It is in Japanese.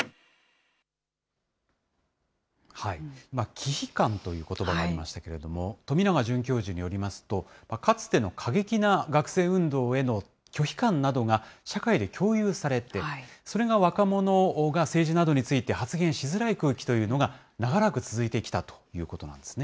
忌避感ということばがありましたけれども、富永准教授によりますと、かつての過激な学生運動への拒否感などが、社会で共有されて、それが若者が政治などについて発言しづらい空気というのが、長らく続いてきたということなんですね。